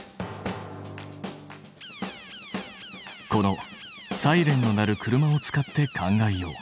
このサイレンの鳴る車を使って考えよう。